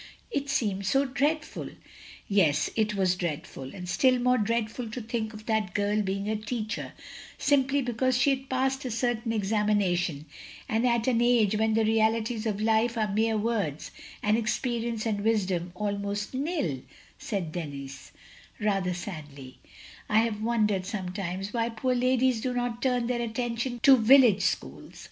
It seemed so dreadful. "Yes, it was dreadful; and still more dreadful to think of that girl being a teacher; simply because she had passed a certain examination, and at an age when the realities of life are mere words, and experience and wisdom almost nil, —" said Denis, rather sadly, " I have wondered some times why poor ladies do not turn their attention to village schools.